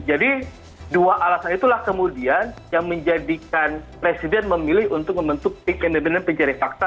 jadi dua alasan itulah kemudian yang menjadikan presiden memilih untuk membentuk tim independen pencari fakta